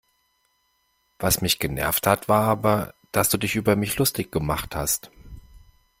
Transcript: Was mich genervt hat war aber, dass du dich über mich lustig gemacht hast.